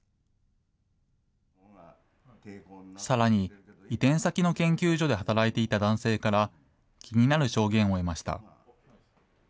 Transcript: さらに、移転先の研究所で働いていた男性から、気になる証言を得ました。